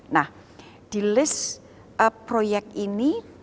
nah di list proyek ini